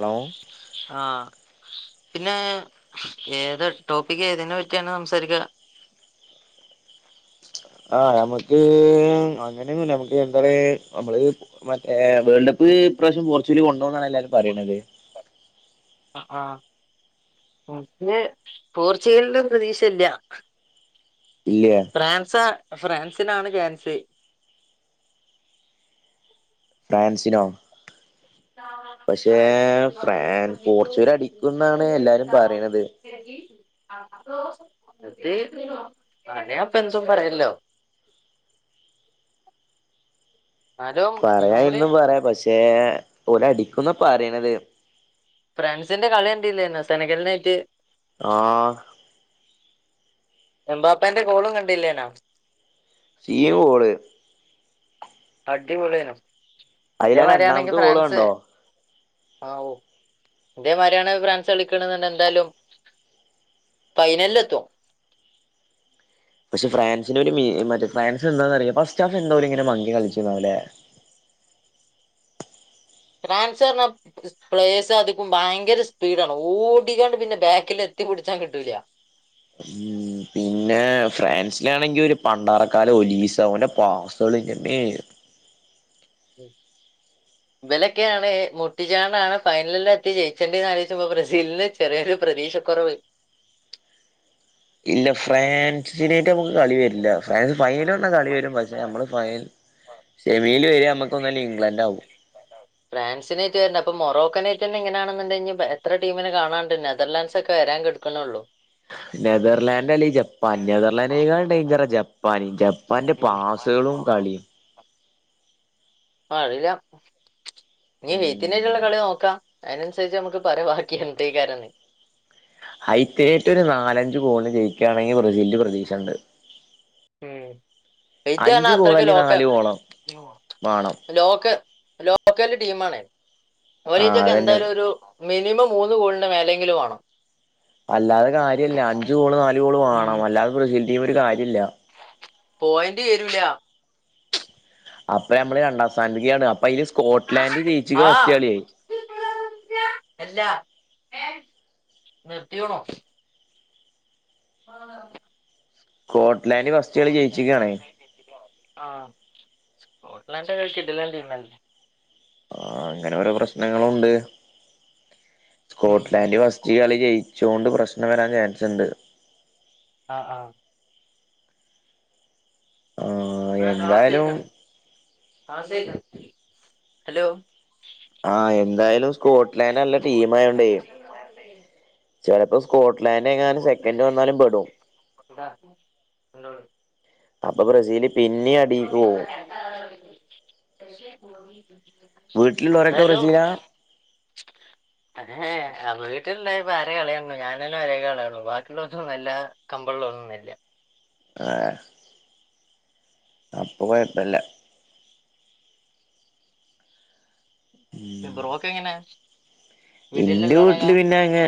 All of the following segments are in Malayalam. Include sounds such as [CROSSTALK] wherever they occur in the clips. ഹലോ ആ പിന്നെ ഏത് ടോപ്പിക് ഏതിനെ പറ്റിയാണ് സംസാരിക്ക ആ [UNINTELLIGIBLE] ആ അ [UNINTELLIGIBLE] നക്ക് എന്താ [UNINTELLIGIBLE] നമ്മളെ മറ്റേ വേൾടെ കപ്പ്‌ ഈപ്രാവശ്യം കൊറ ചുലി കൊണ്ടോന്നാണ് എല്ലാവരും പറയണത് ആ ന്നെ പോർച്ചുഗലിനും പ്രതീക്ഷയില്ല ഇല്ലേ ഫ്രാൻസാ ഫ്രാൻസിനാണ് ചാൻസേ ഫ്രാൻസിനോ ആ [UNINTELLIGIBLE] പക്ഷേ അത് ഫ്രാൻ പോർച്ചുഗൽ അടിക്കുന്നാണ് എല്ലാരും പറയണത് അന അപ്പൊ എന്തും പറയല്ലോ എന്നാലും പറയാൻ നമ്മുടെ എന്തും പറയാ പക്ഷേ ഓല ടി ഒന്നെ പറയണത് ഫ്രാൻസിന്റെ കളികണ്ടില്ലാരുന്നോ തലക്കലിനായിട്ട് ആ എമ്പാപ്പാന്റെ കോളും കണ്ടില്ലേനാ സി എം ഓള് അടിപൊളിയാ അയിലാ രണ്ടാമത്തെ ഗോള് കണ്ടോ ആ ഓ ഇതേമാതിരിയാണ് ഫ്രാൻസ് കളിക്കണ എന്തായാലും ഫൈനലിലെത്തും പക്ഷെ ഫ്രാൻസിന്റെ ഒരു മീ മറ്റേ ഫ്രാൻസി എന്താഎന്നറിയാമോ ഫസ്റ്റ് ഹാഫ് എന്തോരിങ്ങനെ മങ്കി കളിച്ച പോലെ ഫ്രാൻസ് പറഞ്ഞ പ്ലേസ് അധും ഭയങ്കര സ്പീഡാണ് ഓടിക്കാണ്ട് പിന്നെ ബാക്കിലെത്തി പിടിച്ചാൻ കിട്ടൂല ഉം പിന്നെ ഫ്രാൻസിലാണെങ്കി ഒരു പണ്ടാറക്കാലം ഒലീസ അവന്റെ [UNINTELLIGIBLE] ഇവനൊക്കെയാണ് മുട്ടിചാണ്ടാണ് ഫൈനലിൽ എത്തി ജയിച്ചണ്ടേന്ന് ആലോചിച്ച് ബ്രസീലിന് ചെറിയൊരു പ്രതീക്ഷക്കുറവ് ഇല്ല ഫ്രാൻസിനാട്ട് നമുക്ക് കളി വരില്ല ഫ്രാൻസ് ഫൈനൽ വന്നാൽ കളി വരും പക്ഷെ നമ്മളെ ഫൈനൽ [UNINTELLIGIBLE] എ ഫ്രാൻസിനായിട്ട വര അപ്പൊ മൊറോക്കനെ പിന്നിങ്ങനാണെന്നുണ്ടേ കഴി എത്ര ടീമിനെ കാണണ്ട് നെതർലാൻറ്സ് ഒക്കെ വരാൻ കെടക്കുന്നെ ഉള്ളൂ നെതർലാൻഡ് അല്ലെ ജപ്പാൻ നേതാർലാൻഡേക്കാൾ ഡേഞ്ചറാ ജപ്പാൻ ജപ്പാന്റെ പാസുകളും കളീം അറില്ല നീ വേത്തിനേട്ടുള്ള ഉം കളി നോക്കാം അയിനൻസരിച്ച് നമക്ക് പറ ബാക്കി എന്തക്കാര ഹൈത്തേറ്റൊരു നാലഞ്ചു ഗോളിന് ജയിക്കണെങ്കി ബ്രസീലില് പ്രതീക്ഷയുണ്ട് ഉം [UNINTELLIGIBLE] പറഞ്ഞാ ഗോൾ അത്രക്ക് അല്ലെ ലോക് നാല് ഗോളോ വേണം ലോക് ലോക്കല് ടീം ആണ്‌ ആ അവലീറ്റൊക്കെ അതന്നെ എന്തായാലും ഒരു മിനിമം മൂന്ന് ഗോളിന്റെ മേലെങ്കിലും വേണം അല്ലാതെ കാര്യല്ല അഞ്ചു ഗോള് നാലു ഗോള് വേണം അല്ലാതെ ബ്രെ ഇവര് കാര്യല്ല പോയിന്റ് ചെരൂല അപ്പൊ നമ്മള് രണ്ടാം സ്ഥാനത്ക്കാണ് അപ്പൊ അയിൽ സ് സ്കോട്ട്ലാൻഡ് ജയിച്ചക്ണ് ആ ഫസ്റ്റ് കളിയയി എത്തികുണു ആഹ് കോ ലാന്റ്ഫസ്റ്റ് കളി ജയിച്ചിക്കാണേ ആഹ് സ്കോട്ട്ലാൻഡ് കിടിലൻ ടീം അല്ലെ ആ അങ്ങനെ ഓരോ പ്രശ്നങ്ങളുണ്ട് സ്കോട്ട്ലാൻഡ് ഫസ്റ്റ് കളി ജയിച്ചൊണ്ട് പ്രശ്നം വരാൻ ചാൻസുണ്ട് ആഹ് ആഹ് ആഹ് ക്ലാസ് എന്തായാലും കേൾക്കാണ് ക്ലാസ് കേൾക്കാണ് ഹലോ ആഹ് എന്തായാലും സ്കോട്ട്ലാൻഡ് നല്ല ടീം ആയൊണ്ടേ ചിലപ്പോ സ്കോട് ലാൻഡേക്കാരം സെക്കൻഡ് വന്നാലും പെടും എന്താ അപ്പൊ ബ്രസീല് പിന്നിം [UNINTELLIGIBLE] യു അടീക്ക് പോവും വി വീട്ടിലുള്ളവരൊക്കെ ബ്രസീലാ ഹലോ വീട്ടിലണ്ടായപ്പ ആരെ കളി കാണുള്ളൂ ഞാനന്നെ മര്യക്ക് കാണുള്ളു ബാക്കിയുള്ളൊതന്നുംല്ല കമ്പള്ളോലൊന്നും ഇല്ല ഏ അപ്പൊ കൊയപ്പല്ല ബ്രോക്ക് എങ്ങനെ എന്റെ വീട്ടിലുള്ളവരൊക്കെ വീട്ടില് പിന്നെ അങ്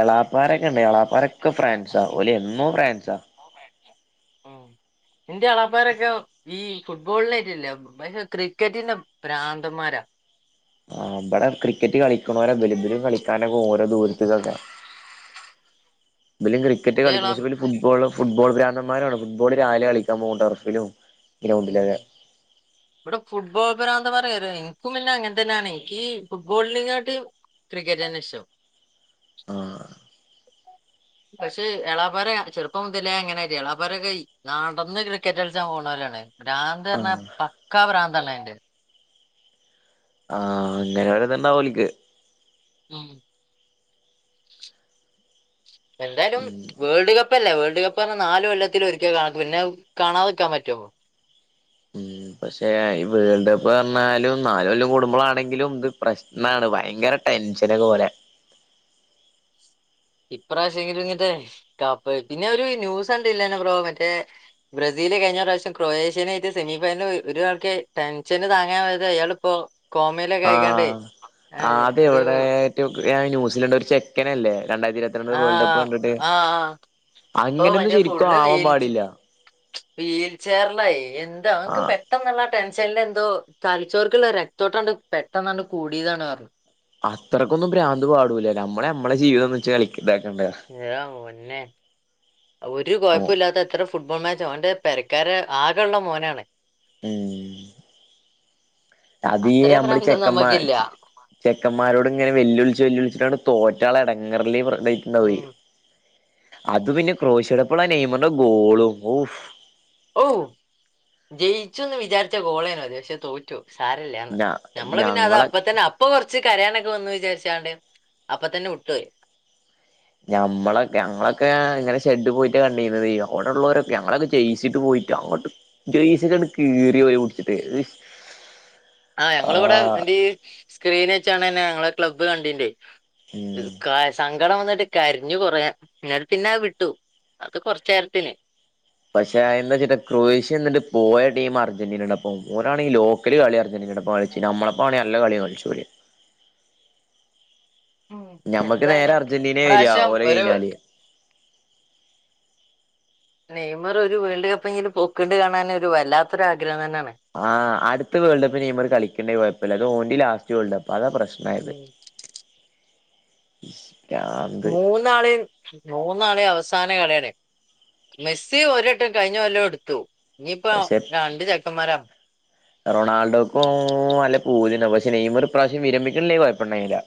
ഏളാപ്പാരൊക്കെ ഉണ്ട് ഏളാപ്പാരൊക്കെ ഫ്രാൻസാ ഓല് എന്നോ ഫ്രാൻസാ ആ ന്റെ എളപ്പാരൊക്കെ ഈ ഫുട്ബോളിനേറ്റില്ല പക്ഷെ ക്രിക്കറ്റിന്റെ പ്രാന്തന്മാരാ ആ ഇവിടെ ക്രിക്കറ്റ് കളിക്കണോരോ വലുബലും കളിക്കാനൊക്കെ ഓരോ ദൂരത്തിലൊക്കെ വലും ക്രിക്കറ്റ് എന്റെ കളിക്കും എളാ പക്ഷെ ബര് ഫുഡ്‌ബോൾ ഫുഡ്‌ ബോൾ പ്രാൻ ന്തന്മാരാണ് ഫുട്ബോള് രാവിലെ കളിക്കാൻ പോവും ടർഫില് പോം ഇവിടെ ഫുട്ബോൾ പിരാന്തന്മാര [UNINTELLIGIBLE] ൻക്കും പിന്നങ്ങൻ തന്നാണ് നിക്ക് ഫുട്ബോലിനികാട്ടിം ക്രിക്കറ്റ് തന്ന ഇഷ്ട്ടം ആഹ പക്ഷെ എളാപ്പരെ ചെറുപ്പം മുതലേ അങ്ങനയിറ്റെ എളാപരോക്കെ നടന്ന് ക്രിക്കറ്റ് കളിച്ചാൻ പോണോലാണ് ഭ്രാന്ത് പറഞ്ഞാ ആഹ് പക്കാ പ്ര്രാന്തണ് അയ്‌ന്റെ ആ ഇങ് [UNINTELLIGIBLE] ണ്ടാവോൽക്ക് ഉം എന്തായാലും ഉം വേൾഡ് കപ്പ് കപ്പല്ലേ വേൾഡ് കപ്പ് പറഞ്ഞ നാല് കൊല്ലത്തിൽ ഒരിക്കല പിന്നെ കാണാതെക്കാൻ പറ്റോ ഉം പക്ഷെ ഈ വേൾഡ് കപ്പ് പറഞ്ഞാലും നാല് കൊല്ലും കുടുംബളാണെങ്കിലും ഇത് പ്രശ്നാണ് ഭയങ്കര ടെൻഷന പോലെ ഇപ്രാവശ്യംങ്കിലും ഇങ്ങ കപ്പ് പിന്നെ ഒരു ന്യൂസ്‌ ണ്ട് ഇല്ലന്നെ പ്രോ മറ്റേ ബ്രസീല് കഴിഞ്ഞ പ്രാവശ്യം ക്രൊയേഷ്യനെ ആയിട്ട് സെമി ഫൈനൽ ഒരാൾക്ക് ടെൻഷന് താങ്ങൻയത് അയാള്പ്പൊ ആ അത് ഒരു എവിടെട്ട് ഞൻ ന്യൂസിലൻറ് ഒരു ചെക്കനല്ലേ രണ്ടായിരത്തി ഇരുത്തി രണ്ട് ആ വേൾഡ് കപ്പ് കണ്ടിട്ട് ആ ആ, ഇപ്പൊ അങ്ങനെന്നും മറ്റേ ശരിക്കും ആവാൻ പാടില്ല വീൽചെർലായി എന്താ അവനക്ക് ആഹ് പെട്ടെന്നുള്ള ടെൻഷനൽ എന്തോ തലചോർക്കുള്ള രക്തോട്ടാണ്ട് പെട്ടെന്നാണ്ട് കൂടിയതാണ് പറഞ്ഞു അത്രയ്ക്കൊന്നും ഭ്രാന്ത് പാടൂല്ല നമ്മളെ നമ്മളെ ജീവിതം ച്ച് ഏ പൊന്നെ ഒരു ഓഹ് കൊയപ്പൊല്ലാത്ത എത്ര ഫുട്ബോൾ മാച്ച പെരക്കാര് ആകെയ ഉുള്ള മോനാണ് മ് അതീ അത്രേ മ്മള് പ്രാന്തം ചെക്കന്മാ നമുക്കില്ല ചെക്കന്മാരോട് ഇങ്ങനെ വെല്ലുളിച്ച് വെല്ലുളിച്ചിട്ടണ്ട് തോ [UNINTELLIGIBLE] ഉം. [UNINTELLIGIBLE] അത് പിന്നെ ക്രോശടപ്പോള നെയ്മന്റെ ഗോളും ഓഫ ഓ ജയിച്ചുന്ന് വിചാരിച്ച ഗോളേനോത് പക്ഷേ തോറ്റോ സാരല്ലന്ന് ഞ നമ്മള് പിന്നെ അത് ഞങ്ങളെ അപ്പ തന്നെ അപ്പൊ കൊറച്ച് കരയാനൊക്കെ വന്ന് വിചാരിച്ചാണ്ട് അപ്പൊ തന്നെ വിട്ടോയി ഞമ്മളെ ഞങ്ങളൊക്കെ ഇങ്ങനെ ഷെഡ് പോയിട്ടാ കണ്ടീന്നത് അവിടെള്ളവരൊക്കെ ഞങ്ങളൊക്കെ ജെയ്‌സിട്ട് പോയിട്ട് അങ്ങോട്ട് ജയിച്ചക്കെ കീറിയ പോ കുടിച്ചിട്ട് ആ ഞങ്ങ ഇവിടെ വണ്ടീ സ്ക്രീൻ വെച്ചാണ്െ ഞങ്ങള ക്ലബ് കണ്ടിീ്േ ഉം [UNINTELLIGIBLE] കായ സാ ട വന്നിട്ട് കരിഞ്ഞു കൊറ നിട്ടട് പിന്നെ വിട്ടു അത് കൊറച്ച നേരത്തിന് പക്ഷെ എന്താ വെച്ചിട്ട ക്രൊയേഷ്യ എന്നിട്ട് പോയ ടീം അർജന്റീനയുടെ പോവും രാണെങ്കിൽ ലോക്കല് കളി അർജന്റീനയുടെ കളിച്ചു നമ്മളപ്പോ ആണെങ്കിൽ നല്ല കളിയും കളിചോൽ ഉം ഞമ്മക്ക് നേരെ എന്തായാലും അർജന്റീനയെ വരുവാ ഇപ്രാവശ്യം ഓരോ ഒരു കയിഞ്ഞാല് നെയ്മർ ഒരു വേൾഡ് കപ്പ എങ്കിലും പൊക്കിണ്ട് കാണാനൻ ഒരു വല്ലാത്തൊരു ആഗ്രഹം തന്നെയാണ് ആ അടുത്ത വേൾഡ് കപ്പിന് നെമര് കളിക്കണ്ടേ കുഴപ്പമില്ല ഓല ലസ്റ്റ് വേൾ്ട് ക അതാ പ്രശ്നായത് [INAUDIBLE] മൂന്നാള മൂന്നാളെയ അവസ സാന കളിയണേ മെസ്സി ഒരട്ടം കഴിഞ്ഞു കൊല്ലം എടുത്തു ഇനിയിപ്പ പക്ഷെ രണ്ട് ചെക്കന്മാരാ റൊണാൾഡോക്കും നല്ല പൂജന്ന പക്ഷെ നെയമ ഒരു പ്രാവശ്യം വിരമിക്കണില്ലേ കുഴപ്പണ്ടാ യി ല്ല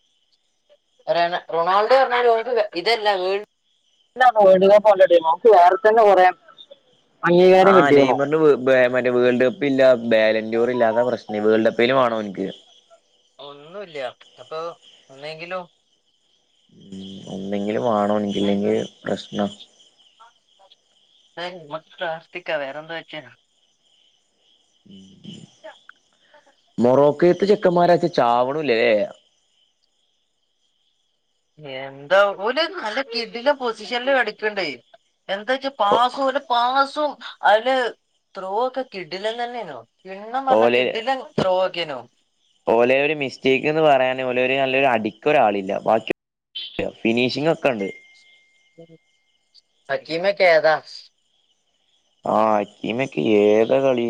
[UNINTELLIGIBLE] റൊണാൾഡോ പറഞ്ഞാൽ നമക്ക് ഇതല്ല വേൾ വേൾഡ് കപ്പ്ല്ല ട നമക്ക് വേറെ തന്നെ കുയാം ആ നെയ്മറിന് വേ മറ്റേ വേൾഡ് കപ്പ് ഇല്ല ബാലൻറൂർ ഇല്ല അതാ പ്രശ്നേ വേൾഡ് കപ്പെലും വേണം ഓൻക്ക് ഒന്നെങ്കിലോ ഉം ഒന്നെങ്കിലും വേണോ ഓൻക്ക് ഇല്ലെങ്കി പ്രശ്നാ [UNINTELLIGIBLE] പ്ലാസ്റ്റിക്ക വേറെന്തോ വച്ചേന [UNINTELLIGIBLE] മോറോക്കെ പ്പ്ത്ത ചെക്കന്മാരൊക്കെ ചാവണോല്ലല്ലേ എന്താ ഓര് നല്ല കിടിലൻ പൊസിഷനില് അടിക്കണ്ടേ എന്തജ്ജ് പാസും ഓരെ പാസും അതില് ത്രോ ഒക്കെ കിടിലൻ തന്നെയെനു കിണ്ണം പറഞ്ഞ ഓലെ കിടിലൻ ത്രോ കിനോ ഓലെ ഒരു മിസ്റ്റേക്ക്ന്ന് പറയാന ഓലെ നല്ലരു അടിക്ക ഒരാളില്ല ബാക്കി [INAUDIBLE] ഫിനിഷിങ് ഒക്കെണ്ട് അക്കിമൊക്കെ ഏതാ ആ അക്കിമക്കെ ഏതാ കളി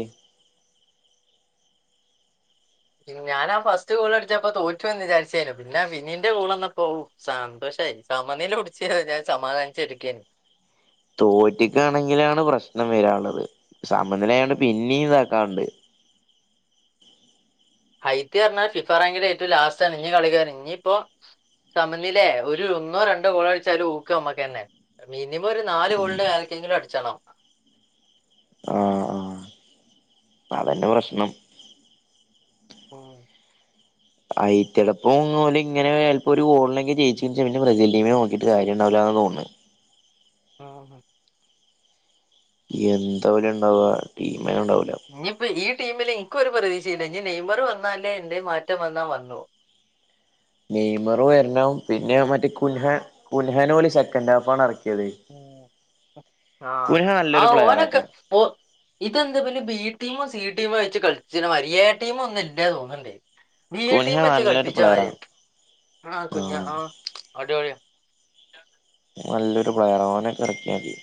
ഞാനാ ഫസ്റ്റ് ഗോൾ അടിച്ചപ്പോ തോറ്റു പോയിന്ന് വിചാരിചെനു പിന്നെ വിനീന്റെ ഗോള് വന്നപോ സന്തോഷയി സമനില പിടിച്ച് കയിഞ്ഞ് ഞാൻ സമാധാനിച്ച് ഇരിക്കെനു തോറ്റിക്കാണെങ്കിലാണ് പ്രശ്നം വരാൻ ഉള്ളത് സമനിലായൊണ്ട് ഉം പിന്നെയും ത [UNINTELLIGIBLE] ഹൈത്തി പറഞ്ഞാ ഫിഫ റാങ്കിലെ ഏറ്റവും ലാസ്റ്റണ് ഇനി കളിക്കാരൻ ഇനിയിപ്പോ സമനിലെ ഒരു ഒന്നോ രണ്ടോ ഗോളടിച്ചലും ഊക്ക് അമ്മക്കന്നെ പി ഇനിപ്പോ ഒരു നാല് ഗോളിന്റെ ആര്ക്കെങ്കിലും അടിച്ചണം ആ ആ അതന്നെ പ്രശ്നം [INAUDIBLE] അയ്റ്റെൾടോപ്പും ഒന്നുലെ ഇങ്ങനെ ചിലപ്പോ ഒരു ഗോളിനെങ്കി ജയിച്ചുനേച്ച പിന്നെ ബ്രസീൽ ടീമിന നോക്കിട്ട് കാര്യണ്ടാവില്ല എന്ന് തോന്നണ് [INAUDIBLE] എന്താ ഓല് ഇണ്ടാവാ ഇങ്ങളിപ്പ ഈ ടീമില് ക്ക് ഒരു പ്രതീക്ഷയില്ല ഇനി നെയ്മർ വന്ന ല്ലേ എന്തെ മാറ്റം വന്നാ വന്നു നെയ്മർ വരണവും പിന്നെ മറ്റേ കുൻഹൻ കുൻഹാനോലി സെക്കൻഡ് ഹാഫണ് ഇറക്കി ഉം ആ കുൻഹ ആ നല്ലൊരു ഓനൊക്കെ പ്ലെയറാട്ടോ ഓ ഇതെന്താ ഇവല് ബി ടീമ സി ടീം വെച്ച് കളിച്ചിന മാരി എ ടീം ഒന്നും ഇല്ല തോന്നണ്ട് ബി എ കുൻഹ ടീം വച്ച് നല്ലൊരു കളിപ്പിച്ച പ്ലെയറാ മര്യായി ആ കുഞ്ഞ ആഹ് ആ അടി പൊളിയാ [UNINTELLIGIBLE] നല്ലൊരു പ്ലെയർ ഓനെക്കെ എറക്ക്യ തി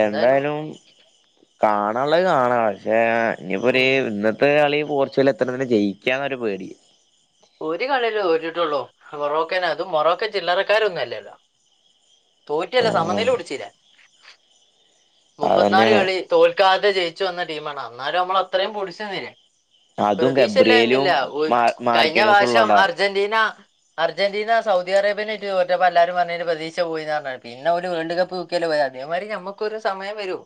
എന്തായാലും കാണാനുള്ളത് കാണാ പക്ഷേ ഇനിപ്പോ ഒരു ഉം. ഇന്നത്തെ കളിയും പോർച്ചുഗല്ല് എത്രണ്ണത്തിന് ജയിക്കാന്നൊരു പേടി ഒരു കളിയല്ലെ തോറ്റിട്ടുള്ളൂ? മൊറോക്കേനെ. അതും മൊറോക്ക ചില്ലറക്കാരൊന്നും അല്ലല്ലോ? തോറ്റയു അല്ല. ആഹ് സമനില പിടിച്ചീല്ലെ മുപ്പത്നാല് അതന്നെയാണ് കളി തോൽക്കാതെ ജയിച് ച്ച് വന്ന ടീമാണ്. എന്നാലു നമ്മളത്രയും പുടിച്ച്‌ നിന്നില്ലേ? അതും ഗബ്രിയേലും മാ മാറി ഞ്ഞ വാശം അർജന്റീന ന അർജന്റീന സൗദി അറേബ്യന്റായിട്ട് തോറ്റപ്പോ എല്ലാരും പറഞ്ഞിനേന് പ്രതീക്ഷ പോയിന്ന് പറഞ്ഞ. പിന്നെ അവര് വേൾഡ് കപ്പ് തൂക്കിയല്ലെ പോയത്. അതേമാതിരി നമുക്കൊരു സമയം വരു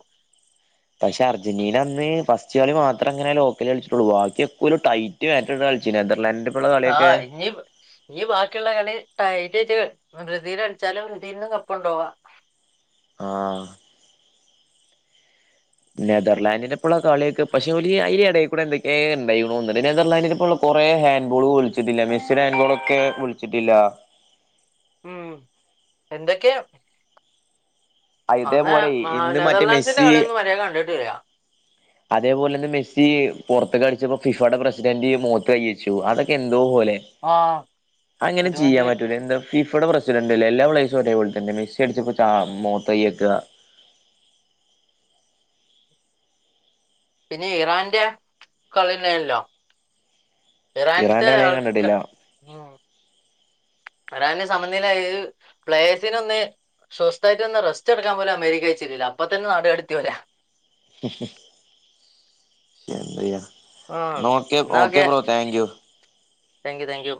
പക്ഷെ അർജന്റീന അന്ന് പസ്റ്റ് കളി മാത്രങ്ങനെ ലോക്കല് കളിച്ചിട്ടുള്ളു. ബാക്കി ഒക്കെ ഓര് ടൈറ്റ് [UNINTELLIGIBLE] കളിച്ച്. നെതർലാൻഡ് ആഹ് ഇനി ഇനി ബാക്കിയുള്ള കളി ടൈ ട്ടീറ്റ് ബ്രസീലളിച്ചാല് ബ്രസീൽന് കപ്പൊണ്ടാവാ ആഹ് നെതർലാൻഡിന്റെ ഇപ്പള്ള കളിയൊക്കെ, ഉം. പക്ഷെ ഓല് ഈ ഈയിടെയൊ ഇടെ എന്തൊക്കേ ഇണ്ടായിക്കുണു തോന്നണ്ട്. നെതർലാൻഡിന് ഇപ്പൊന്ന് കൊറേ ഹാൻഡ് ബോള് വിളിച്ചിട്ടില്ല. മെസ്സിടെ ഹാൻഡ്ബോളൊക്കെ വിളിച്ചിട്ടില്ല. ഉം എന്തൊക്കെയാ അന്ന് ഇതേപോലെ ആ ഇന്ന് മറ്റേ നെതർലാൻഡ്സിന്റെ കളിയൊന്നും മര്യാദക്ക് കണ്ടിട്ടില്ല അതേപോലന്നെ മെസ്സി പൊറത്തേക്കടിച്ചപ്പോ ഫിഫാടെ പ്രസിഡന്റ്‌ മോത്ത് കയ്യച്ചു അതൊക്കെ എന്ത് ന്തോ പോലെ ആ അങ്ങനെ ചെയ്യാൻ ഒരുമാതിരി പറ്റൂല എന്താ ഫിഫാടെ പ്രസി ച്ചാ ണ്ട്എല്ലാ പ്ലയേർസും ഒരേ പോലെ തന്നെയാ മെസ്സി അടിച്ചപ്പൊ ചാ മോത്ത് കയ്യെക്ക്വാ പിന്നെ ഇറാന്റെ കളിണ്ടായിനല്ലോ ഇറാന്റെ കളി ഞാൻ ആൾക്ക, കണ്ടിട്ടില്ല ഉം ഇറാന്റെ സമനില ഏഹ്, പ്ലെയേഴ്സിനൊന്ന് സ്വസ്ഥായിട്ട് ഒന്ന് റെസ്റ്റെടുക്കാൻ പോലും അമേരിക്ക കയിച്ചിട്ടില്ല. അപ്പ തന്നെ നാട് കടത്തി ഓലെ. എന്തെയ്യാ... ആഹ്. ന്നാ ഓക്കെ. You thank you thank you